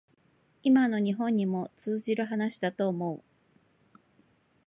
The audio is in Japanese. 今の日本にも通じる話だと思う